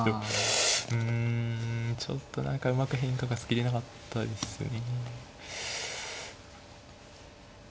うんちょっと何かうまく変化がつけれなかったですね。